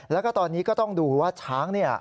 แล้วก็ตอนนี้ก็ต้องดูว่าช้างเนี่ย